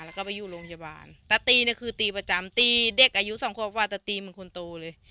โรงพยาบาลแต่ตีนี่คือตีประจำตีเด็กอายุสองควบว่าแต่ตีมันควรโตเลย